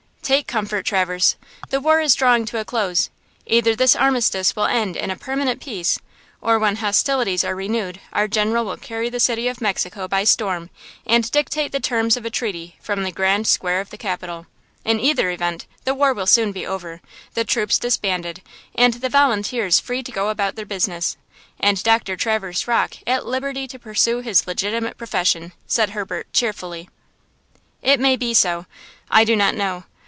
"Take comfort, Traverse. The war is drawing to a close. Either this armistice will end in a permanent peace, or when hostilities are renewed our General will carry the city of Mexico by storm, and dictate the terms of a treaty from the grand square of the capital. In either event the war will soon be over, the troops disbanded, and the volunteers free to go about their business, and Doctor Traverse Rocke at liberty to pursue his legitimate profession," said Herbert, cheerfully. "It may be so; I do not know.